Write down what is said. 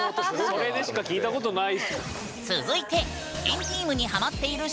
それでしか聞いたことない。